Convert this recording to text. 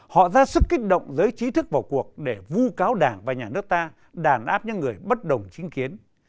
họ ra sức kích động giới trí thức vào cuộc để vu cáo đảng và nhà nước ta đàn áp những người bất đồng chính kiến